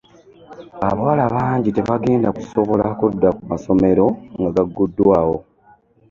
Abawala bangi tebagenda kusobola kudda ku masomero nga gaguddwaawo.